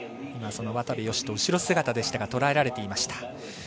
渡部善斗、後ろ姿でしたがとらえられていました。